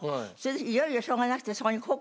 いよいよしょうがなくて。